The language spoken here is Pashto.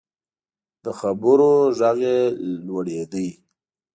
د خبرو غږ یې لوړیده.